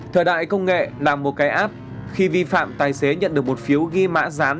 thời đại công nghệ là một cái app khi vi phạm tài xế nhận được một phiếu ghi mã rán